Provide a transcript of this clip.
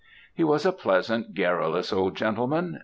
He was a pleasant, garrulous, old gentleman.